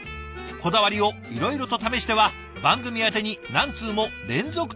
こだわりをいろいろと試しては番組宛てに何通も連続投稿してくれたんです。